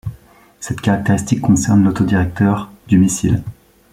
Cette caractéristique concerne l'autodirecteur du missile.